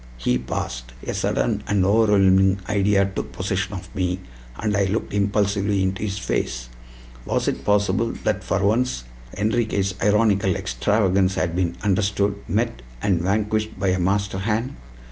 He paused. A sudden and overwhelming idea took possession of me, and I looked impulsively into his face. Was it possible that for once Enriquez' ironical extravagance had been understood, met, and vanquished by a master hand?